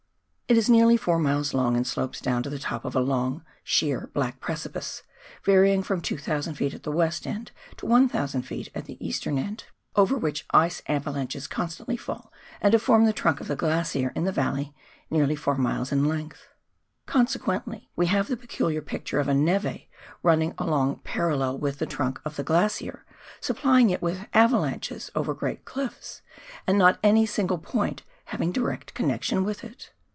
It is nearly four miles long and slopes down to the top of a long, sheer, black precipice, varying from 200 ft. at the west end to 1,000 ft. at the eastern end, over which ice avalanches con stantly fall and have formed the trunk of the glacier in the valley, nearly four miles in length. Consequently we have the peculiar picture of a neve running along parallel uith the trunk of the glacier, supplying it with avalanches over great cliffs, and not at any single point having direct connection ivith it.